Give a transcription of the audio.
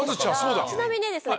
ちなみにですね